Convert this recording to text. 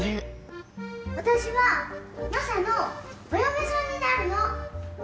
私はマサのお嫁さんになるの！